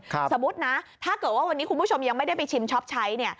สมมุตินะถ้าเกิดว่าวันนี้คุณผู้ชมยังไม่ได้ไปชิมช็อปใช้เนี่ย